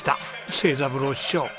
成三郎師匠。